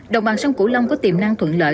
đồng bằng sông cửu long có tiềm năng thuận lợi